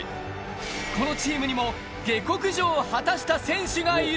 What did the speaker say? このチームにも下克上を果たした選手がいる。